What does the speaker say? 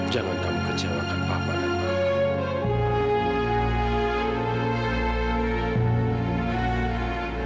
jangan kamu kecewakan papa dan mama